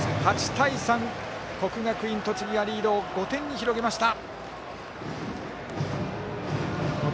８対３、国学院栃木がリードを５点に広げました。